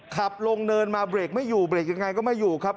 ขับลงเนินมาเบรกไม่อยู่เบรกยังไงก็ไม่อยู่ครับ